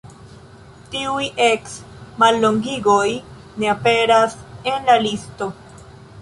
Tiuj eks-mallongigoj ne aperas en la listo.